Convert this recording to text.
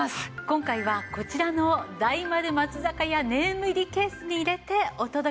今回はこちらの大丸松坂屋ネーム入りケースに入れてお届け致します。